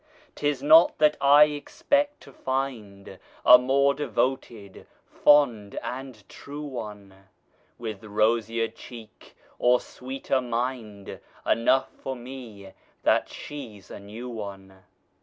'Tis not that I expect to find A more devoted, fond and true one, With rosier cheek or sweeter mind Enough for me that she's a new one.